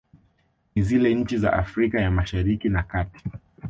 Ni zile nchi za Afrika ya mashariki na kati